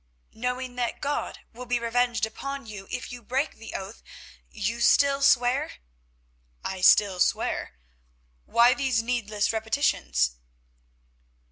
"Knowing that God will be revenged upon you if you break the oath, you still swear?" "I still swear. Why these needless repetitions?"